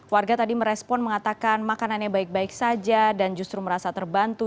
warga tadi merespon mengatakan makanannya baik baik saja dan justru merasa terbantu